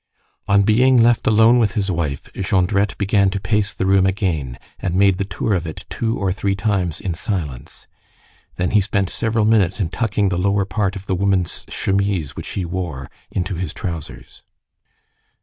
On being left alone with his wife, Jondrette began to pace the room again, and made the tour of it two or three times in silence. Then he spent several minutes in tucking the lower part of the woman's chemise which he wore into his trousers.